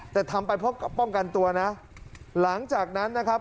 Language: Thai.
แต่ทำไปเพราะป้องกันตัวนะหลังจากนั้นนะครับ